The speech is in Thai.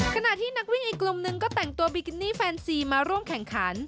ขณะที่นักวิ่งอีกกลุ่มหนึ่งก็แต่งตัวบิกินี่แฟนซีมาร่วมแข่งขัน